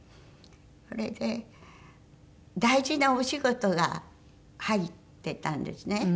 それで大事なお仕事が入ってたんですね。